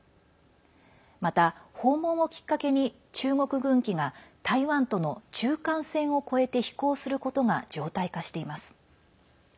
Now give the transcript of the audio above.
また、訪問をきっかけに中国軍機が台湾との中間線を越えて飛行することが常態化しています。